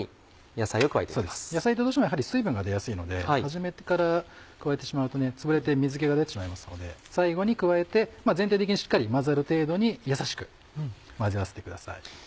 野菜ってどうしてもやはり水分が出やすいので初めから加えてしまうとつぶれて水気が出てしまいますので最後に加えて全体的にしっかり混ざる程度にやさしく混ぜ合わせてください。